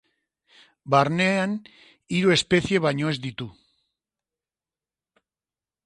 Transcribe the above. Barnean hiru espezie baino ez ditu.